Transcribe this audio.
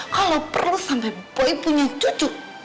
kalau perlu sampai punya cucu